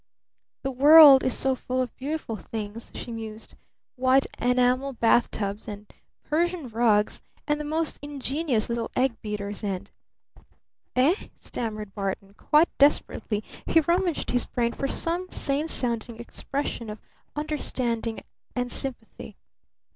The world is so full of beautiful things," she mused. "White enamel bath tubs and Persian rugs and the most ingenious little egg beaters and " "Eh?" stammered Barton. Quite desperately he rummaged his brain for some sane sounding expression of understanding and sympathy.